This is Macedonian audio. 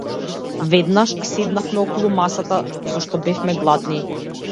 Веднаш седнавме околу масата зашто бевме гладни.